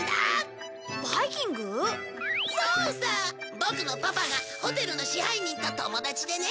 ボクのパパがホテルの支配人と友達でね。